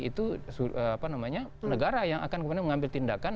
itu negara yang akan mengambil tindakan